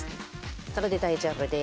それで大丈夫です。